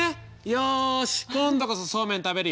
よし今度こそそうめん食べるよ。